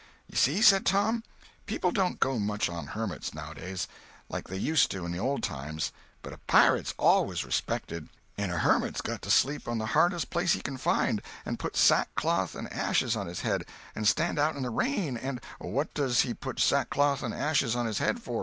"You see," said Tom, "people don't go much on hermits, nowadays, like they used to in old times, but a pirate's always respected. And a hermit's got to sleep on the hardest place he can find, and put sackcloth and ashes on his head, and stand out in the rain, and—" "What does he put sackcloth and ashes on his head for?"